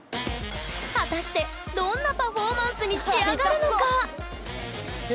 果たしてどんなパフォーマンスに仕上がるのか⁉痛そう。